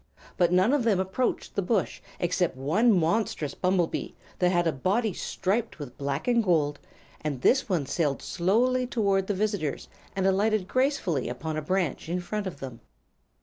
But none of them approached the bush except one monstrous bumble bee that had a body striped with black and gold, and this one sailed slowly toward the visitors and alighted gracefully upon a branch in front of them.